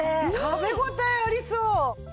食べ応えありそう！